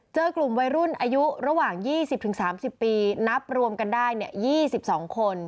เจอกลุ่มวัยรุ่นอายุระหว่าง๒๐๓๐ปีนับรวมกันได้๒๒คน